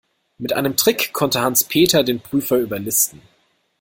Mit einem Trick konnte Hans-Peter den Prüfer überlisten.